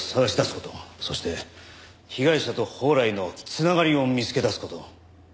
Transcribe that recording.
そして被害者と宝来の繋がりを見つけ出す事。